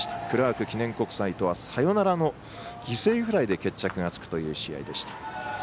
クラーク記念国際とはサヨナラの犠牲フライで決着がつくという試合でした。